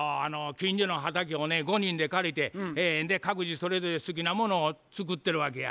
近所の畑をね５人で借りて各自それぞれ好きなものを作ってるわけや。